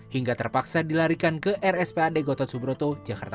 hingga terpaksa dilarikan ke rspad gotot subroto jakarta